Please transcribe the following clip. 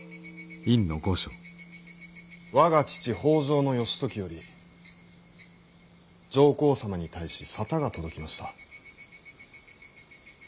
我が父北条義時より上皇様に対し沙汰が届きました。